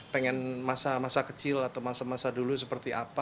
pengen masa masa kecil atau masa masa dulu seperti apa